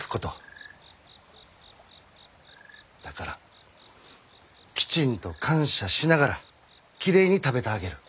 だからきちんと感謝しながらきれいに食べてあげる。